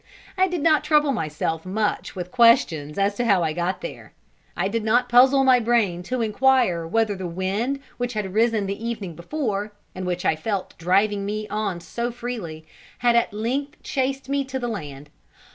I did not trouble myself much with questions as to how I got there. I did not puzzle my brain to inquire whether the wind which had risen the evening before, and which I felt driving me on so freely, had at length chased me to the land.